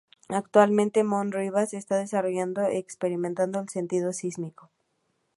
Actualmente, Moon Ribas está desarrollando e experimentando el sentido sísmico.